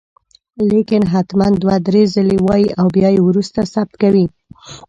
ليکل هتمن دوه دري ځلي وايي او بيا يي وروسته ثبت کوئ